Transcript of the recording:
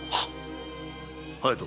隼人。